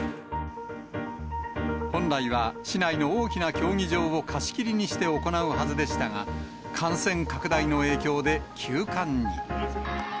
本来は、市内の大きな競技場を貸し切りにして行うはずでしたが、感染拡大の影響で休館に。